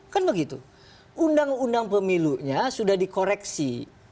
kan begitu undang undang pemilunya sudah dikoreksi